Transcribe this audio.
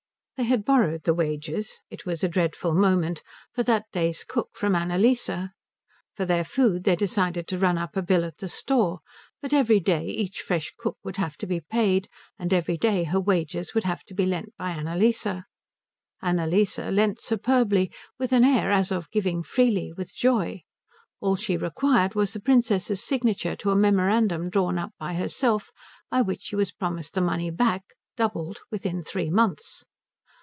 They had borrowed the wages it was a dreadful moment for that day's cook from Annalise. For their food they decided to run up a bill at the store; but every day each fresh cook would have to be paid, and every day her wages would have to be lent by Annalise. Annalise lent superbly; with an air as of giving freely, with joy. All she required was the Princess's signature to a memorandum drawn up by herself by which she was promised the money back, doubled, within three months.